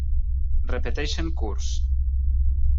Repeteixen curs.